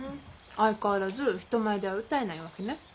相変わらず人前では歌えないわけね。